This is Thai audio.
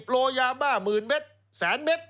๕๐โลยาบ้าหมื่นเมตรแสนเมตร